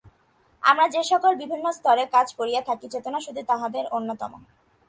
আমরা যে-সকল বিভিন্ন স্তরে কাজ করিয়া থাকি, চেতনা শুধু তাহাদের অন্যতম।